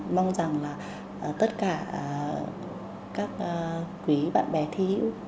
mong rằng là tất cả các quý bạn bè thi hữu